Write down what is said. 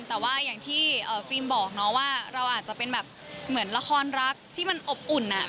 แต่ว่าอย่างที่ฟิล์มบอกเนาะว่าเราอาจจะเป็นแบบเหมือนละครรักที่มันอบอุ่นอ่ะ